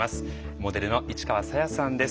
モデルの市川紗椰さんです。